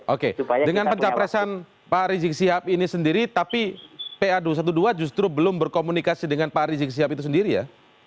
oke dengan pencapresan pak rizik sihab ini sendiri tapi pa dua ratus dua belas justru belum berkomunikasi dengan pak rizik sihab itu sendiri ya